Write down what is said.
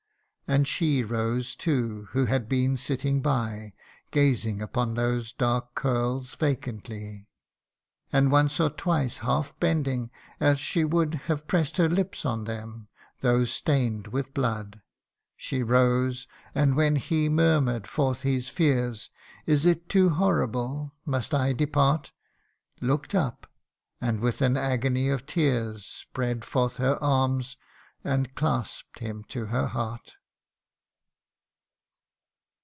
And she rose too, who had been sitting by, Gazing upon those dark curls vacantly ; And once or twice half bending, as she would Have press'd her lips on them though stain'd with blood, She rose, and when he murmur'd forth his fears " Is it too horrible ? must I depart ?" Look'd up, and with an agony of tears, Spread forth her arms, and clasp'd him to her heart.